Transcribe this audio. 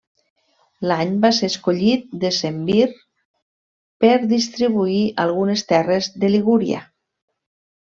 L'any va ser escollit decemvir per distribuir algunes terres de Ligúria.